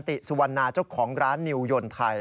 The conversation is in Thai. ติสุวรรณาเจ้าของร้านนิวยนไทย